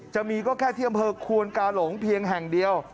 จะมีก็แค่ที่อำเภอควนกาหลงเพียงแห่งเดียว